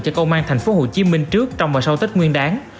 cho công an thành phố hồ chí minh trước trong mùa sâu tết nguyên đáng